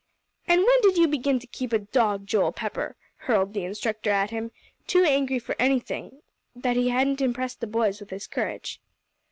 "And when did you begin to keep a dog, Joel Pepper?" hurled the instructor at him, too angry for anything, that he hadn't impressed the boys with his courage.